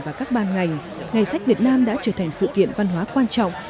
và các ban ngành ngày sách việt nam đã trở thành sự kiện văn hóa quan trọng